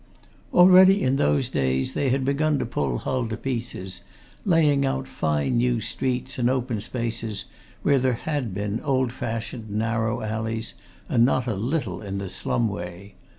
Already, in those days, they had begun to pull Hull to pieces, laying out fine new streets and open spaces where there had been old fashioned, narrow alleys and not a little in the slum way.